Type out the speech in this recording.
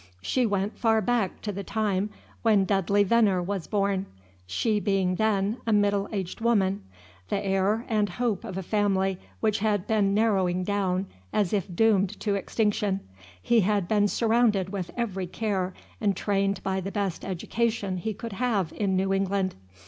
She went far back to the time when Dudley Venner was born, she being then a middle aged woman. The heir and hope of a family which had been narrowing down as if doomed to extinction, he had been surrounded with every care and trained by the best education he could have in New England.